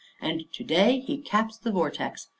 And to day he caps the vortex.